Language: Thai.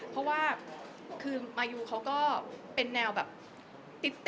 เพราะว่ามายูเขาก็เป็นแนวติ๊ด